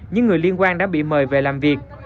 những người liên quan đã bị mời về làm việc